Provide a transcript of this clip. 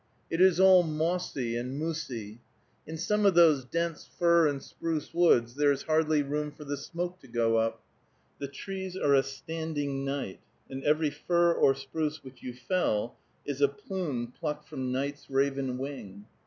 It is all mossy and moosey. In some of those dense fir and spruce woods there is hardly room for the smoke to go up. The trees are a standing night, and every fir and spruce which you fell is a plume plucked from night's raven wing.